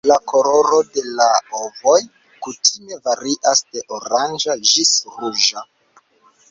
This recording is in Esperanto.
La koloro de la ovoj kutime varias de oranĝa ĝis ruĝa.